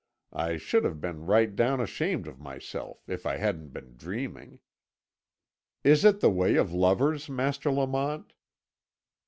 I should have been right down ashamed of myself if I hadn't been dreaming. Is it the way of lovers, Master Lamont?